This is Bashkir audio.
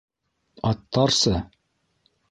Аттарсы?